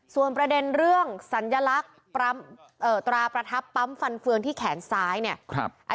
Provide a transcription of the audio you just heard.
ส่วนประเด็นเรื่องสัญลักษณ์ตราประทับปั๊มฟันเฟืองที่แขนซ้ายเนี่ย